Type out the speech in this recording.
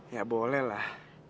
ya boleh lah